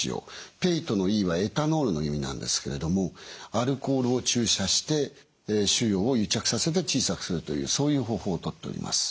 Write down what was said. ＰＥＩＴのＥはエタノールの意味なんですけれどもアルコールを注射して腫瘍を癒着させて小さくするというそういう方法をとっております。